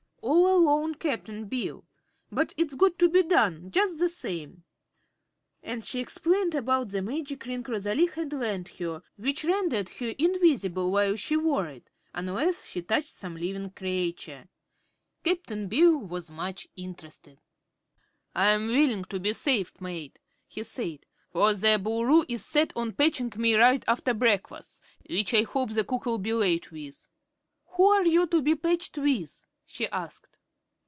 "All alone, Cap'n Bill. But it's got to be done, jus' the same." And then she explained about the magic ring Rosalie had lent her, which rendered her invisible while she wore it unless she touched some living creature. Cap'n Bill was much interested. "I'm willing to be saved, mate," he said, "for the Boo l'roo is set on patchin' me right after breakfas', which I hope the cook'll be late with." "Who are you to be patched with?" she asked.